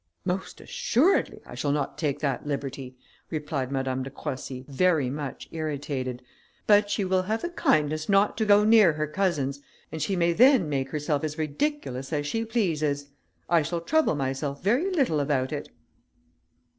"Most assuredly, I shall not take that liberty," replied Madame de Croissy, very much irritated, "but she will have the kindness not to go near her cousins, and she may then make herself as ridiculous as she pleases; I shall trouble myself very little about it."